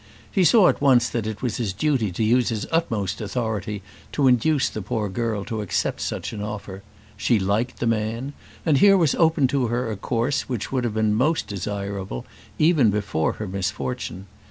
He saw at once that it was his duty to use his utmost authority to induce the poor girl to accept such an offer. She liked the man; and here was opened to her a course which would have been most desirable, even before her misfortune.